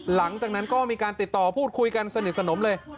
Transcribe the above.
หลังจากนั้นก็มีการติดต่อพูดคุยกันสนิทสนมเลย